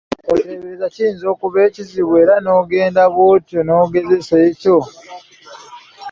Oteebereza ekiyinza okuba ekizibu era n'ogenda bw'otyo n'ogezesa ekyo.